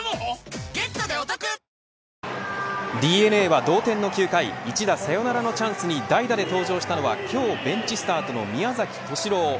ＤｅＮＡは同点の９回一打サヨナラのチャンスに代打で登場したのは今日ベンチスタートの宮崎敏郎。